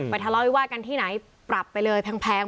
ทะเลาะวิวาสกันที่ไหนปรับไปเลยแพง